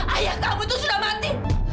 ayah kamu tuh sudah mati